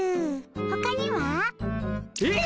ほかには？えっ？